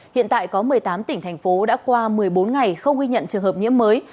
hiện tại có một mươi tám tỉnh thành phố đã qua một mươi bốn ngày không ghi nhận trường hợp nhiễm mới